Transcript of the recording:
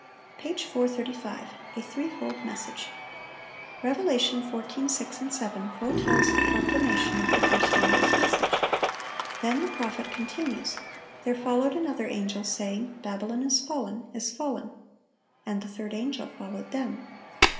Page 435. A THREEFOLD MESSAGE.—Rev. 14:6, 7, foretells the proclamation of the first angel's message. Then the prophet continues: "There followed another angel, saying, Babylon is fallen, is fallen, ... and the third angel followed them."